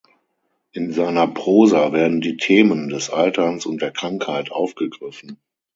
In seiner Prosa werden die Themen des Alterns und der Krankheit aufgegriffen.